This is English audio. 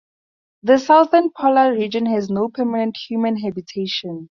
The southern polar region has no permanent human habitation.